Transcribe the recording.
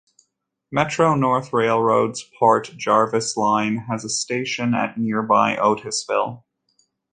Metro-North Railroad's Port Jervis Line has a station at nearby Otisville.